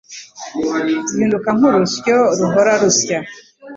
zihinduka nk’urusyo ruhora rusya,